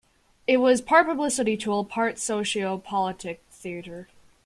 It was part publicity tool, part socio-political theatre.